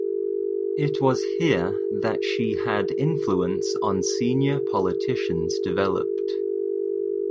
It was here that she had influence on senior politicians developed.